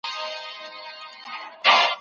د جرګي غړو به د هیواد د پانګې د ساتنې هڅه کوله.